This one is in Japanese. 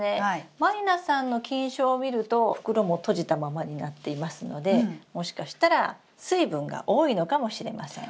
満里奈さんの菌床を見ると袋も閉じたままになっていますのでもしかしたら水分が多いのかもしれません。